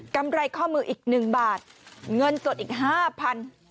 กำไรข้อมืออีก๑บาทเงินสดอีก๕๐๐๐บาท